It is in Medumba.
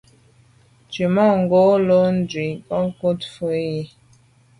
Nzwi tswemanko’ lo’ ndu i nke ngo’ ngefet yi.